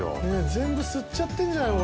全部吸っちゃってんじゃない。